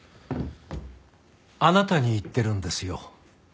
あなたに言ってるんですよ。